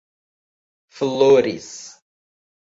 Flores